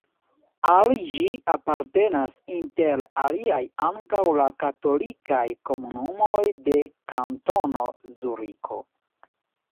Al ĝi apartenas inter aliaj ankaŭ la katolikaj komunumoj de Kantono Zuriko.